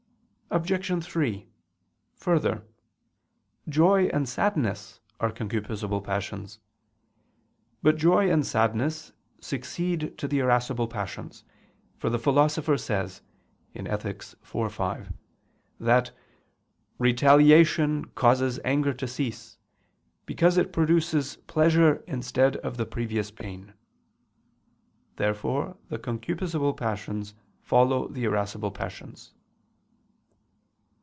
Obj. 3: Further, joy and sadness are concupiscible passions. But joy and sadness succeed to the irascible passions: for the Philosopher says (Ethic. iv, 5) that "retaliation causes anger to cease, because it produces pleasure instead of the previous pain." Therefore the concupiscible passions follow the irascible passions.